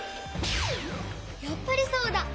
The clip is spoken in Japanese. やっぱりそうだ！